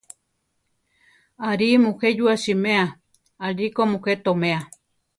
Aʼrí muje yúa siméa, aʼlí ko mujé toméa.